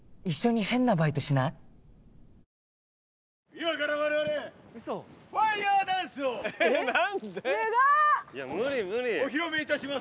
今からわれわれファイヤーダンスをお披露目いたします。